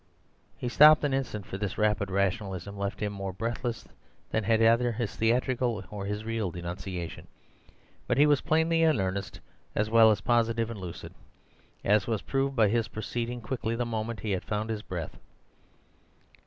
He stopped an instant; for this rapid rationalism left him more breathless than had either his theatrical or his real denunciation. But he was plainly in earnest, as well as positive and lucid; as was proved by his proceeding quickly the moment he had found his breath.